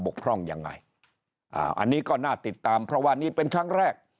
กพร่องยังไงอ่าอันนี้ก็น่าติดตามเพราะว่านี่เป็นครั้งแรก